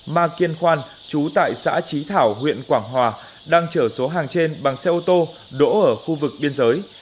ma kiên khoan chú tại xã trí thảo huyện quảng hòa đang chở số hàng trên bằng xe ô tô đỗ ở khu vực biên giới